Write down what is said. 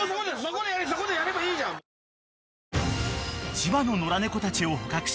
［千葉の野良猫たちを捕獲し